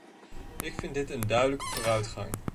Ik vind dit een duidelijke vooruitgang.